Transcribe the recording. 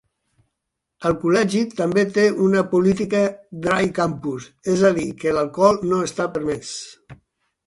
El col·legi també té una política "dry campus", és a dir que l'alcohol no està permès.